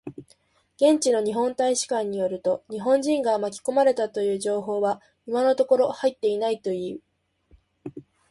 現地の日本大使館によると、日本人が巻き込まれたという情報は今のところ入っていないという。